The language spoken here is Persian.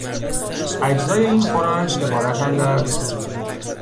اجزای این خوراک عبارتند از...